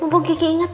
mumpung kiki ingat